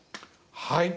はい。